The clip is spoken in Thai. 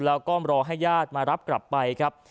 แล้วก็รอให้ญาติมารับกลับไปครับ